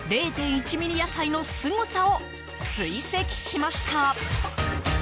０．１ｍｍ野菜のすごさを追跡しました。